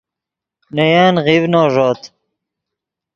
نے ین غیڤنو ݱوت